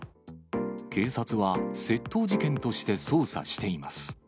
警察は窃盗事件として捜査しています。